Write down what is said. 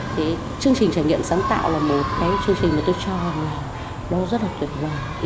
thì chương trình trải nghiệm sáng tạo là một cái chương trình mà tôi cho là nó rất là tuyệt vời